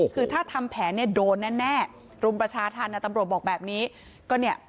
คือถ้าทำแผนโดนน่ะแน่รุมประชาธารณะทำรวจบอกแบบนี้